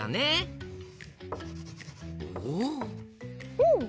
うん！